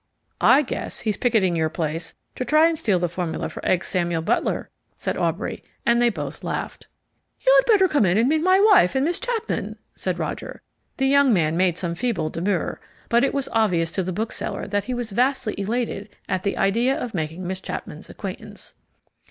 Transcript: "I guess he's picketing your place to try and steal the formula for eggs Samuel Butler," said Aubrey, and they both laughed. "You'd better come in and meet my wife and Miss Chapman," said Roger. The young man made some feeble demur, but it was obvious to the bookseller that he was vastly elated at the idea of making Miss Chapman's acquaintance.